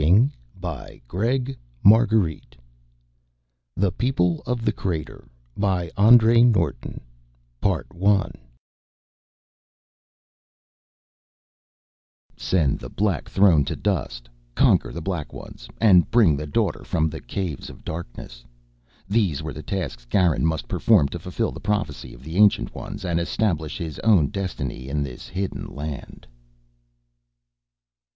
pgdp.net The PEOPLE of the CRATER A COMPLETE NOVELETTE BY ANDREW NORTH _"Send the Black Throne to dust; conquer the Black Ones, and bring the Daughter from the Caves of Darkness." These were the tasks Garin must perform to fulfill the prophecy of the Ancient Ones and establish his own destiny in this hidden land!